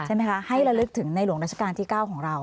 ใช่ไหมคะให้ระลึกถึงในหลวงราชการที่๙ของเรา